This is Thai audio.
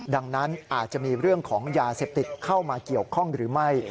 ดังนั้นอาจจะมีเรื่องของยาเสพติดเข้ามาเกี่ยวข้องหรือไม่